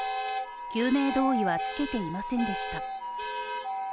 救命胴衣は着けていませんでした。